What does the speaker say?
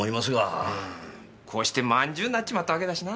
こうして饅頭になっちまったわけだしな。